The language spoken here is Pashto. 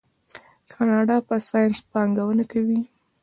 کاناډا په ساینس پانګونه کوي.